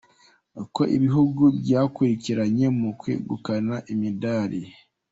Uko ibihugu byakurikiranye mu kwegukana imidari.